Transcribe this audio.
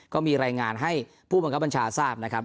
ก็มีรายงานให้ผู้บัญชาฟันชาติทราบนะครับ